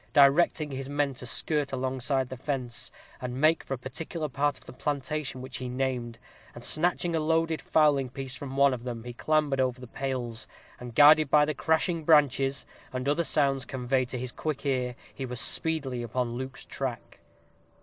Directing his men to skirt alongside the fence, and make for a particular part of the plantation which he named, and snatching a loaded fowling piece from one of them, he clambered over the pales, and guided by the crashing branches and other sounds conveyed to his quick ear, he was speedily upon Luke's track.